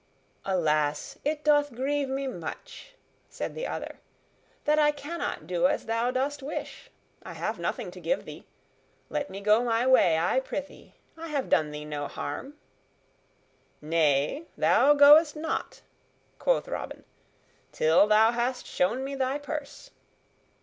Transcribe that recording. "Alas! It doth grieve me much," said the other, "that I cannot do as thou dost wish. I have nothing to give thee. Let me go my way, I prythee. I have done thee no harm." "Nay, thou goest not," quoth Robin, "till thou hast shown me thy purse."